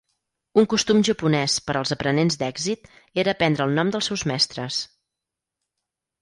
Un costum japonès per als aprenents d'èxit era prendre el nom dels seus mestres.